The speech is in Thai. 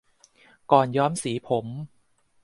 ก่อนย้อมสีผม